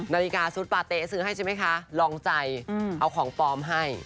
นาฬิกาซุดปาเต๊ะซื้อให้ใช่ไหมคะลองใจเอาของปลอมให้